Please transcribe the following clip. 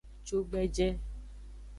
Cugbeje.